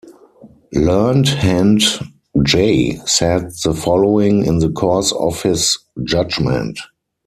Learned Hand J said the following in the course of his judgment.